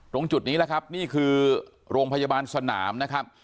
ตรงจุดนี้แหละครับนี่คือโรงพยาบาลสนามนะครับ